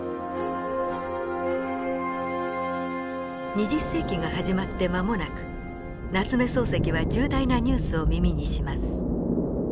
２０世紀が始まって間もなく夏目漱石は重大なニュースを耳にします。